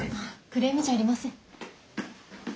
クレームじゃありません。